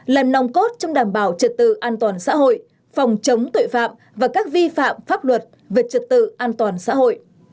là nòng cốt trong đảm bảo trật tự an toàn xã hội phòng chống tội phạm và các vi phạm pháp luật về trật tự an toàn xã hội